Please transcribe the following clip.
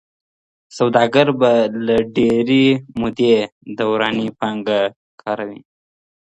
سوداګر به له ډیرې مودې دوراني پانګه کاروي.